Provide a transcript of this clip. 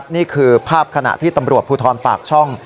นี่คือภาพขณะที่ตำรวจภูทรปากช่อง